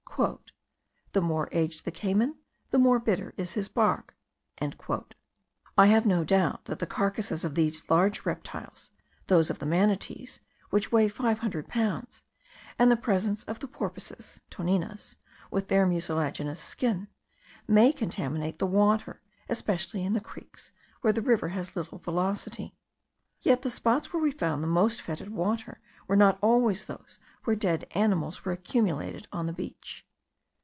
"The more aged the cayman, the more bitter is his bark." I have no doubt that the carcasses of these large reptiles, those of the manatees, which weigh five hundred pounds, and the presence of the porpoises (toninas) with their mucilaginous skin, may contaminate the water, especially in the creeks, where the river has little velocity. Yet the spots where we found the most fetid water, were not always those where dead animals were accumulated on the beach.